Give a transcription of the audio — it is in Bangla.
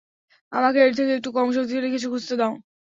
আমাকে এর থেকে একটু কম শক্তিশালী কিছু খুঁজতে দাও।